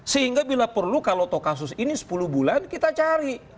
sehingga bila perlu kalau kasus ini sepuluh bulan kita cari